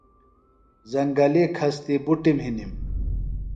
زنگلیۡ کھستِی بُٹِم ہِنِم۔